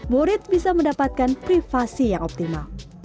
murid bisa mendapatkan privasi yang optimal